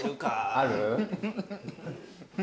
ある？